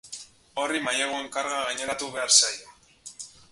Horri maileguen karga gaineratu behar zaio.